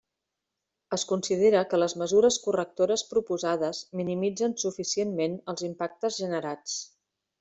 Es considera que les mesures correctores proposades minimitzen suficientment els impactes generats.